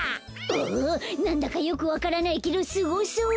おおなんだかよくわからないけどスゴそう！